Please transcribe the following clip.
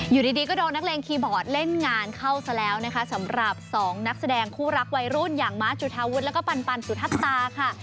อยู่ดีก็โดนนักเลงคีย์บอร์ดเล่นงานเข้าซะแล้วนะคะสำหรับสองนักแสดงคู่รักวัยรุ่นอย่างม้าจุธาวุฒิแล้วก็ปันสุทัศตาค่ะ